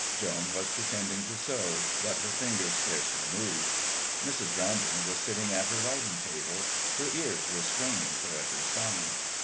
Joan was pretending to sew, but her fingers scarcely moved. Mrs. Brandon was sitting at her writing table; her ears were straining for every sound.